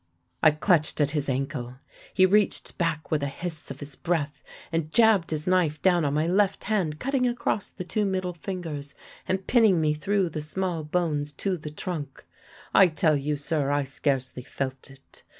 "I clutched at his ankle. He reached back with a hiss of his breath and jabbed his knife down on my left hand, cutting across the two middle fingers and pinning me through the small bones to the trunk. I tell you, sir, I scarcely felt it.